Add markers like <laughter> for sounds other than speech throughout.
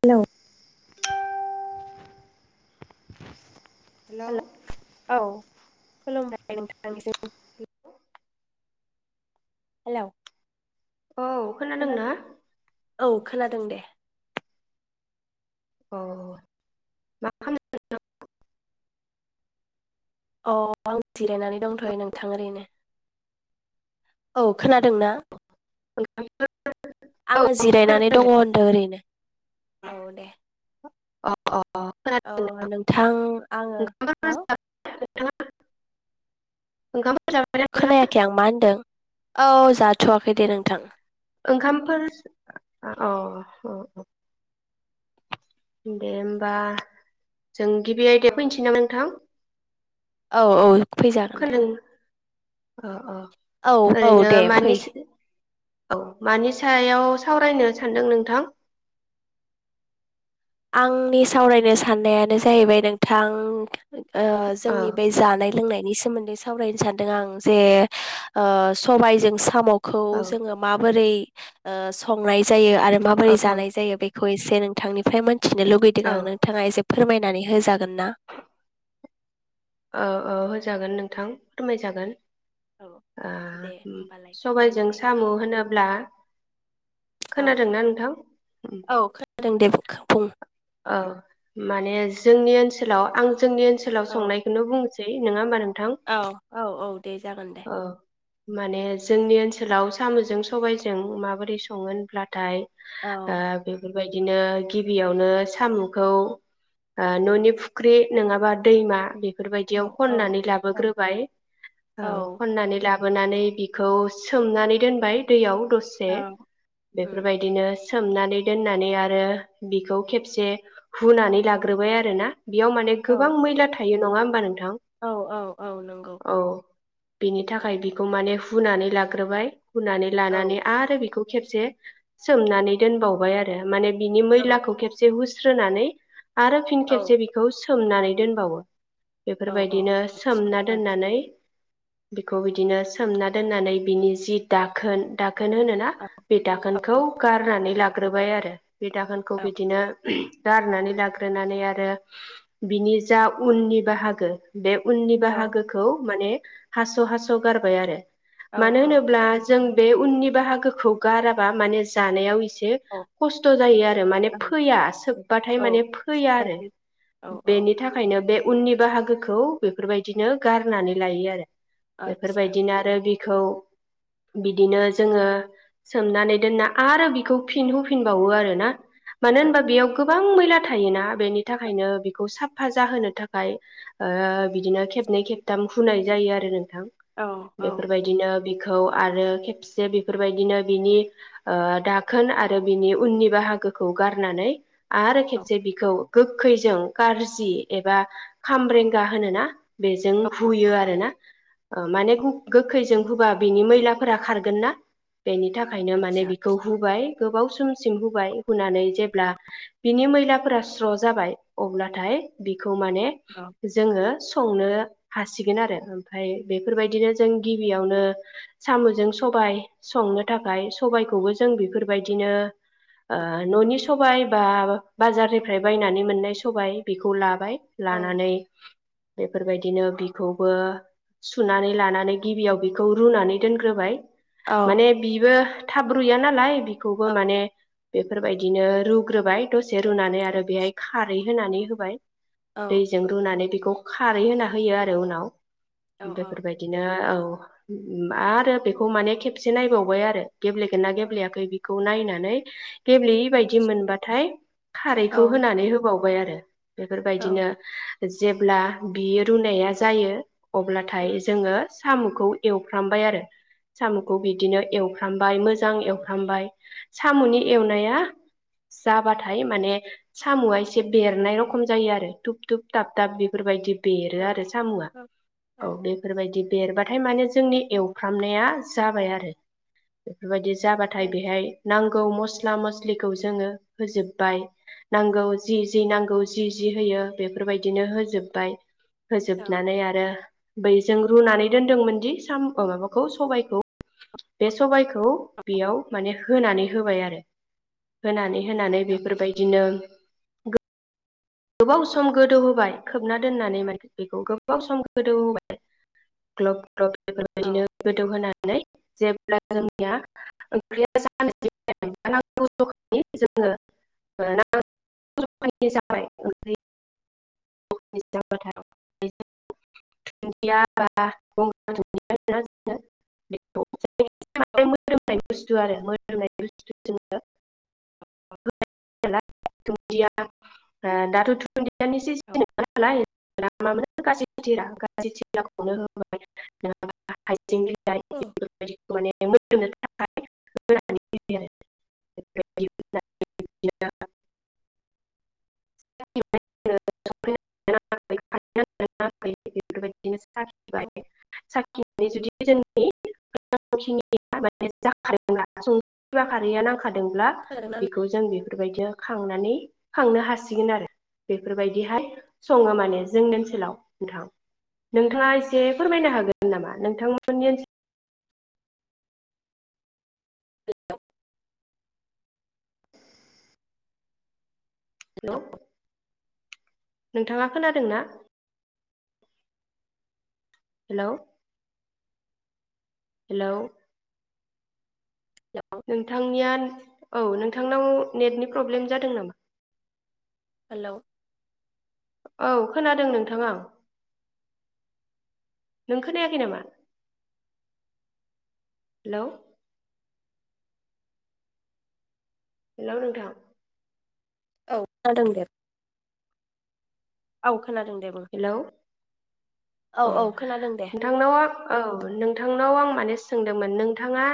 Hello. Hello. Hello औ खुलुमबाय नोंथांनिसिम। हेलौ। औ खोना खोनादोंना? औ खोनादों दे। अह मा खालाम अ आं जिरायनानै दंथयो नोंथां ओरैनो। औ खोनादोंना? <unintelligible> औ आंङो औ जिरायनानै खोनादों दे दङ होनदो ओरैनो। औ दे। अह अह। अ नोंथां आंङो ओंखामफोर हो जाबाय <unintelligible> खोनायाखै आं मा होनदों औ जा जाथवाखै दे नोंथां। नोंथां ओंखामफोर अ औ औ। दे होमबा जों गिबि आयदायाव फैनोसै नामा नोंथां औ औ फैजागोन दे। खोनादों अ अ औ औ ओरैनो दे मानि फै। औ मानि सायाव सावरायनो सानदों नोंथां? आंनि सावरायनो साननायानो जाहैबाय नोंथां ओह औ जोंनि बे जानाय लोंनाय नि सोन्दै सावरायनो सानदों आं जे ओ सबाय जों सामु खौ औ जोंङो माबोरै ओ संनाय जायो आरो औ माबोरै औ जानाय जायो बे खौ एसे नोंथांनिफ्राय मोन थथिनो लुबैदों औ आं नोंथाङा एसे फोरमायनानै होजागोन ना? औ औ होजागोन नोंथां फोरमायजागोन औ दे होमबालाय सबायजों फोरमायनानै होदो साम होनोब्ला औ खोनादोंना नोंथां औ खोनादों दे खाबुं औ माने जोंनि ओनसोलाव आं जोंनि ओनसोलाव औ संनायखौनो बुंनो नोंङा होमबा नों औ औ औ दे जागोन दे औ माने जोंनि ओनसोलाव सामुजों सबायजों माबोरै संङो होनब्लाथाय औ ओ बे बेबायदिनो गिबियावनो सामुखौ ननि फुख्रि नङाबा दैमा बे बेफोरबायदियाव औ खननानै औ लाबोग्रोबाय औ खननानै ला लाबोनानै बिखौ सोमनानै दोनबाय दैयाव दसे औ उम बेफोरबायदिनो सोमनानै दोननानै आरो बिखौ खेब से हुनानै लाग्रोबाय आरो ना बेयाव माने औ गोबां मैला था यो नङा होमबा नों औ औ औ नंगौ बेनि थाखाय बिखौ माने हुनानै लाग्रोबाय हुनानै औ लानानै आरो बेखौ खेबसे सोमनानै दोनबावबाय आरो माने बिनि औ मैलाखौ खेबसे हुस्रोनानै आरो फिन औ खेबसे बेखौ सोमनानै दोनबावो। औ औ बेफोरबायदिनो सोमना आदसा आदसा दोननानै बेखौ बिदिनो सोमना दोननानै बिनि जि दाखोन दा खोन होनोना बे दाखोनखौ औ गारनानै लाग्रोबाय आरो बे दाखोनखौ औ बिदिनो गारनानै लाग्रोनानै आरो बिनि जा उननि बाहागो बे उननि बाहागोखौ माने हास' हास' गारबाय आरो औ मानो औ होनोब्ला जों बे उननि बाहागोखौ गाराबा माने जानायाव इसे औ खस्थ जायो आरो माने औ फो फैया सोबबाथाय औ माने फैया आरो बादि औ औ बेनि थाखायनो बे उननि बाहागोखौ बेफोरबायदिनो गारनानै लायो आरो। आदसा बेफोरबायदिनो आरो बि खौ बिदिनो जोङो सोमनानै दोनना आरो बिखौ फिन हुफिनबावो आरो ना मानो होनबा आदसा बेयाव गोबां मै ला थायोना बेनि थाखायनो बेखौ साफा जाहोनो थाखाय ओ बिदिनो खेबनै खेबथाम हुनाय जायो आरो नों थां औ औ बेफोरबायदिनो बेखौ आरो खेबसे बेफोरबायदिनो बिनि ओ दाखोन आरो बिनि उननि बाहागोखो खौ गारनानै आरो औ खेबसे बिखौ गोखखैजों कारजि एबा खामरेंगा होनो ना बेजों हुयो आरो ना माने गोखैजों हुबा बेनि मैलाफोरा खारगोन ना बेनि थाखायनो माने आदसा बिखौ हुबाय गोबाव समसिम हुबाय हुनानै जेब्ला बिनि मैलाफोरा स्र' जाबाय अब्लाथाय बिखौ माने औ जोङो संनो हासिगोन आरो ओमफाय बेफोरबायदिनो जों गिबियावनो सामुजों सबाय संनो थाखाय सबायखौबो जों बेफोरबायदिनो ओ न'नि सबाय बा बाजारनिफ्राय बायनानै मोननाय सबाय बेखौ लाबाय औ लानानै बेफोरबायदिनो बिखौबो सुनानै लानानै गिबियाव बेखौ रुनानै दोनग्रोबाय औ माने बिबो थाब रुया नालाय बि खौबो माने बेफोरबायदिनो रुग्रोबाय द से रुनानै आरो बेहाय आदसा खारै होनानै होबाय औ दैजों रुनानै बे बेखौ खारै होना होयो आरो उनाव औ आदसा औ उम औ औ बेफोरबायदिनो औ आरो बेखौ माने खेबसे नायबावबाय आरो गेब्लेगोना औ गेब्लेयाखै बेखौ नाय <unintelligible> गेब्लेयै बायदि आदसा मोनबाथाय खारैखौ औ होनानै होबावो <unintelligible> आरो औ बेफोरबायदिनो जेब्ला बियो रुनाया जायो अब्लाथाय जोङो सामखौ एवफ्रामबाय आरो सामखौ बिदिनो एवफ्रामबाय मोजां एवफ्रामबाय सामनि एवनाया जाबाथाय माने सामआ एसे बेरनाय रखम जायो आरो धुुब धुुब दाब दाब बेफोरबायदि बेरो आरो सामआ औ बेफोरबायदि बेरबाथाय माने जोंनि एवफ्रामनाया जाबाय आरो बेफोरबायदि जाबाथाय बेहाय नां मस्ल मस्ला मस्लिखौ जोङो होजोब्बाय नांगौ जि जि नांगौ जि जि होयो बेफोरबायदिनो होजोबबाय होजोबनानै आरो बै जों रुनानै दोन्दोंमोन दि साम माबाखौ सबायखौ बे सबायखौ बेयाव माने होनानै होबाय आरो होनानै होनानै बेफोरबायदिनो गोबाव सम गोदौहोबाय खोबना दोननानै माने बेखौ गोबाव सम गोदौहोबाय ग्लब बेफोरबायदिनो गोदौ होनानै <unintelligible> <unintelligible> <unintelligible> <unintelligible> दाथ <unintelligible> <unintelligible> <unintelligible> <unintelligible> <unintelligible> दोंब्ला औ हेलौ खोनादोंना <unintelligible> जों बेफोरबायदियाव खांनानै खांनो हासिगोन आरो बेफोरबायदिहाय सङो माने जोंनि ओनसोलाव नोंथां नोंथाङा एसे फोरमायनो हागोन नामा नोंथांमोननि ओनसोलाव हेलौ। नोंथाङा खोनादों ना? हेलौ। हेलौ। हेलौ नोंथांनिया। औ नोंथांनाव नेटनि प्रब्लेम जादों नामा? हेलौ। औ खोनादों नोंथां आं नों खोनायाखै नामा? हेलौ। हेलौ नोंथां? औ खादों दे औ। खोनादों दे बुं हेलौ औ नोंथां औ नोंथांनाव आं माने सोंदोंमोन नोंथाङा?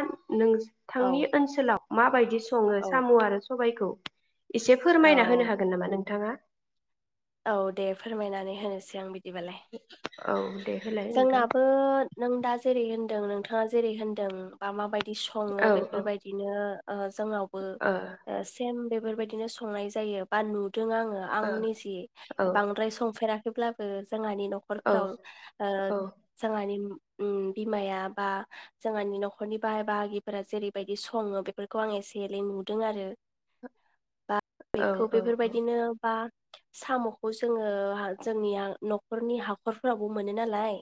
नों औ थांनि ओनसोलाव माबायदि सङो औ साम आरो सबायखौ? एसे फोरमायना होनो औ हागोन नामा नोंथाङा? औ दे फोरमायनानै होनोसै आं बिदि बिदिबालाय औ दे होलाय नोंथां जोंनाबो नों दा जेरै नोंथाङा जेरैदों बा म बाय संओ औ औ बेफोरबायदिनो ओ जोंनावबो ओ सेम बेफोरबायदिनो संनाय जायो बा नु आङो आंनि जि ओ बांद्राय संफेराखै थेब्लाबो जोंहानि न'खर औ फोराव ओ औ जोंङानि ओम बिमाया बा जोंहानि नखरनि बाहाय बाहागिफोरा जेरैबायदि सङो बेफोरखौ आं एसे एनै नुदों आरो बा औ बेखौ औ बेफोर बायदिनो बा साम'खौ जोङो जोंनिया नखरनि हख हाखरफोरावबो मोनो नालाय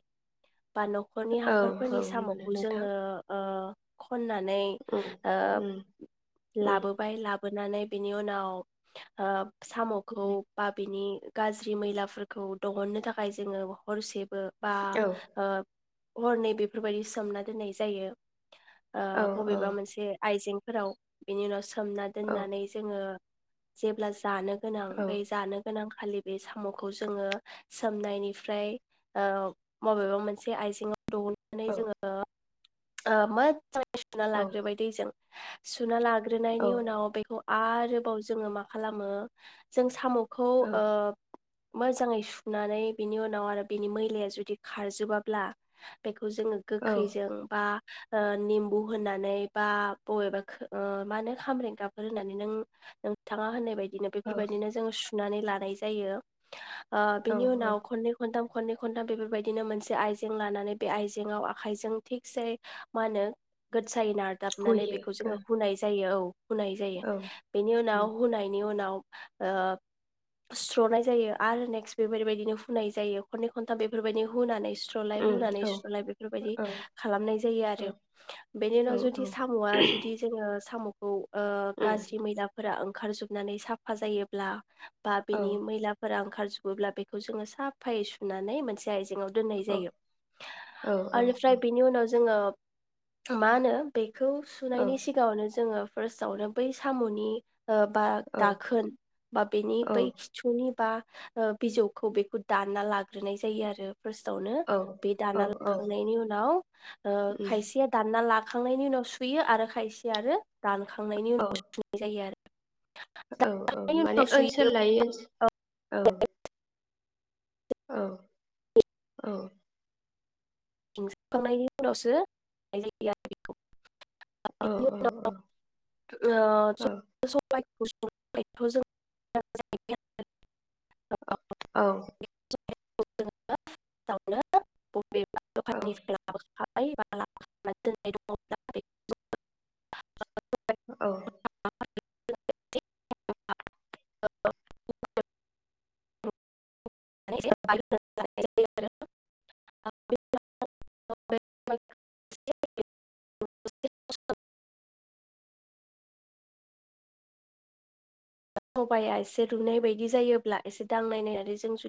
बा न'खरनि औ औ हाखरफोरनि मोनो सामखौ नोंथां जोङो ओ खननानै उम ओ उम उम लाबोबाय लाबो लाबोनानै बिनि उनाव सामखौ उम बा बिनि गाज्रि मैलाफोरखौ दहुननो थाखाय जोङो हरसेबो बा औ ओ हरनै बेफोरबायदि सोमना दोननाय जायो। ओ औ औ बबेबा मोनसे आइजें। फोराव बिनि उनाव सोमना दोननानै जोङो जेब्लास जानो गोनां औ बै जानो गोनां खालि बे साम'खौ जोङो सोमनायनिफ्राय ओमफ्राय ओ मबेबा मोनसे आइजेंआव दौनानै जोङो। ओ मोजांयै सुना औ लाग्रोबाय दैजों। सुना लाग्रोनायनि औ उनाव बेखौ आरोबाव जोङो मा खालामो जों साम' खौ औ ओ मोजांङै सुनानै बिनि उनाव आरो बिनि मैलाया जुदि खारजोबाब्ला बे खौ जोङो औ गोखैजों बा ओ निम्बु होननानै बा बबेबा मा होनो खामब्रें गाफोर होननानै नों नोंथाङा होननाय बायदि बिदिनो औ बेफोरबायदिनो जों सु सुनानै लानाय जायो। ओ औ बिनि औ उनाव खननै खन्थाम खननै खन्थाम फोरबायदिनो मोनसे आइजें लानानै बे आइजेंआव आखाइजों थिगसे मा होनो गोसायै नारदाबनानै बेखौ हुयो जोङो हुनाय जायो औ। हुनाय जायो औ बेनि उम उनाव हुनायनि उनाव। ओ सुस्रनाय जायो आरो नेक्स्ट बेफोर बायदिनो। हुनाय जायो खननै खनथाम बेफोरबायदि हुनानै। सुस्रलाय उम हुनानै औ सुस्रलाय बेफोरबायदि औ खालामनाय जायो आरो। औ बेनि उनाव औ जुदि औ साम'आ जुदि जोङो साम' ओ उम गाज्रि मैलाफोरा ओं ओंखार जोबनानै साफा जायोब्ला। बा औ बिनि मैलाफोरा ओंखार जोबोब्ला बेखौ जो सा साफायै सुनानै मोनसे आइजें दोननाय औ जायो औ औ आरो फ्राय बेनि उनाव जोङो मा होनो बे खौ सुनायनि सिगाङावनो जोङो फार्स्टआवनो बै सामनि। ओ बा औ दाखोन बा बेनि बै खिथुनि। बा ओ बिजौखौ बेखौ। दानना लाग्रोनाय जायो आरो। फार्स्टावनो बे औ दाना लाखांनायनि उनाव ओ उम खायसेया दानना ला खांनायनि उनाव सुयो आरो खायसे आरो दान खांनायनि औ उनाव सुफुंनाय जायो आरो। औ औ दानखांनायनि माने उनाव सुयो ओनसोल लायो औ औ। औ औ। <inaudible> औ औ <inaudible> <inaudible> जों औ। <inaudible> औ <inaudible> <inaudible> औ। <inaudible> <inaudible> सबाया एसे रुनाय बायदि जायोब्ला एसे दांनायनानै जों जुदि